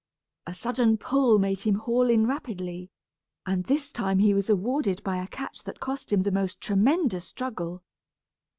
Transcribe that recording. A sudden pull made him haul in rapidly, and this time he was rewarded by a catch that cost him the most tremendous struggle.